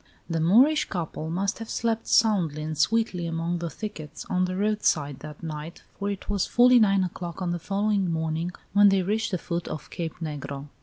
The Moorish couple must have slept soundly and sweetly among the thickets on the roadside that night, for it was fully nine o'clock on the following morning when they reached the foot of Cape Negro.